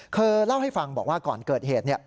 เธอเล่าให้ฟังบอกว่าก่อนเกิดเหตุ